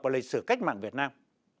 và lịch sử cách mạng việt nam